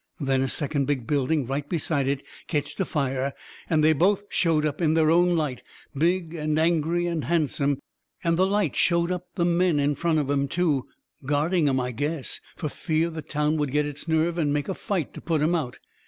Then a second big building right beside it ketched afire, and they both showed up in their own light, big and angry and handsome, and the light showed up the men in front of 'em, too guarding 'em, I guess, fur fear the town would get its nerve and make a fight to put 'em out.